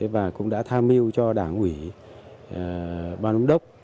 và cũng đã tham mưu cho đảng ủy ban thống đốc